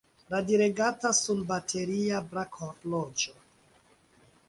Radiregata sunbateria brakhorloĝo.